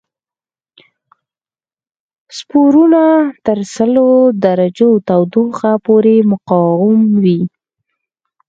سپورونه تر سلو درجو تودوخه پورې مقاوم وي.